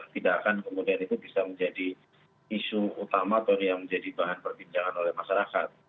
tidak akan kemudian itu bisa menjadi isu utama atau yang menjadi bahan perbincangan oleh masyarakat